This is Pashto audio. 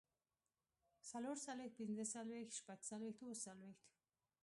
څلورڅلوېښت، پينځهڅلوېښت، شپږڅلوېښت، اووهڅلوېښت